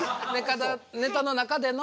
ネタの中での。